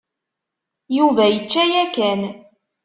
Yuba yečča yakan.